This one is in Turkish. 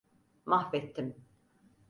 Mahvettim.